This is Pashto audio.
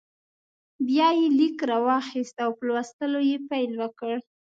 بیا یې لیک راواخیست او په لوستلو یې پیل وکړ.